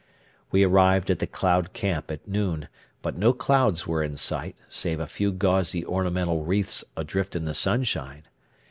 We arrived at the Cloud Camp at noon, but no clouds were in sight, save a few gauzy ornamental wreaths adrift in the sunshine.